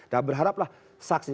dan berharaplah saksi